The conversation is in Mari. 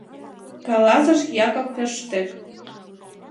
— каласыш Якоб Ферштег.